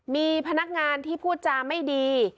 มีพนักงานที่พูดจาไม่ดี